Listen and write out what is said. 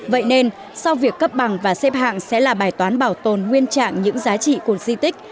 vậy nên sau việc cấp bằng và xếp hạng sẽ là bài toán bảo tồn nguyên trạng những giá trị của di tích